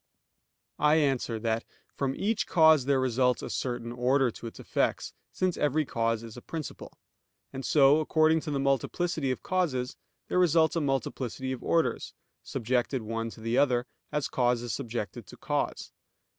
I answer that, From each cause there results a certain order to its effects, since every cause is a principle; and so, according to the multiplicity of causes, there results a multiplicity of orders, subjected one to the other, as cause is subjected to cause.